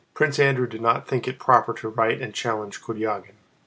Prince Andrew did not think it proper to write and challenge Kurágin.